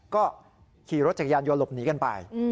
ก็ขี่รถจักรยานยนต์หลบหนีกันไป